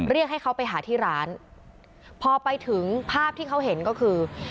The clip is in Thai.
เรียกให้เขาไปหาที่ร้านพอไปถึงภาพที่เขาเห็นก็คือ